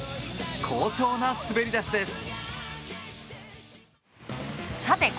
好調な滑り出しです！